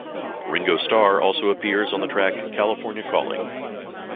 Ringo Starr also appears on the track "California Calling".